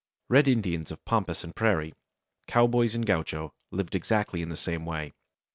Red Indians of Pampas and Prairie, cowboy and gaucho, lived exactly in the same way.